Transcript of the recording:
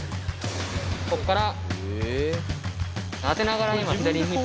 こっから。